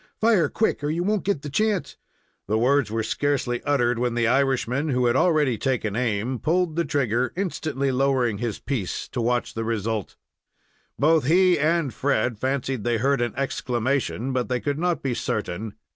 "Fire, quick! or you won't get the chance!" The words were scarcely uttered, when the Irishman, who had already taken aim, pulled the trigger, instantly lowering his piece to watch the result. Both he and Fred fancied they heard an exclamation, but they could not be certain.